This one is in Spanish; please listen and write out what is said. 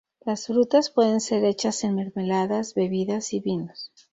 Las frutas pueden ser hechas en mermeladas, bebidas, y vinos.